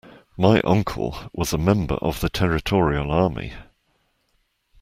My uncle was a member of the Territorial Army